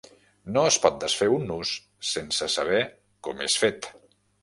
No es pot desfer un nus sense saber com és fet.